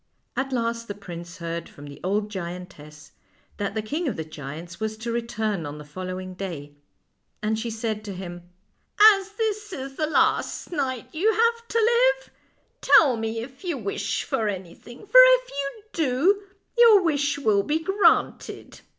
At last the prince heard from the old giantess that the king of the giants was to return on the following day, and she said to him :" As this is the last night you have to live, tell me if you wish for anything, for if you do your wish will be granted."